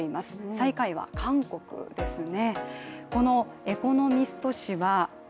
最下位は韓国ですね。